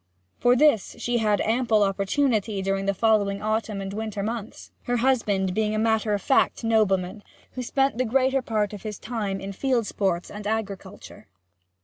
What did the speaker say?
For this she had ample opportunity during the following autumn and winter months, her husband being a matter of fact nobleman, who spent the greater part of his time in field sports and agriculture.